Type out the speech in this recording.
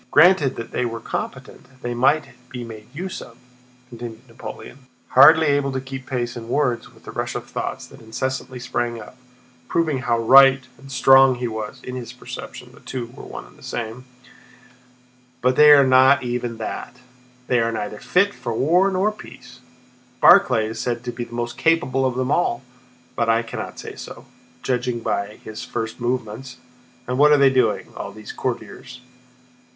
Granted that were they competent they might be made use of," continued Napoleon—hardly able to keep pace in words with the rush of thoughts that incessantly sprang up, proving how right and strong he was (in his perception the two were one and the same)—"but they are not even that! They are neither fit for war nor peace! Barclay is said to be the most capable of them all, but I cannot say so, judging by his first movements. And what are they doing, all these courtiers?